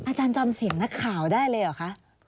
อาจารย์จำเสียงนักข่าวได้เลยเหรอคะ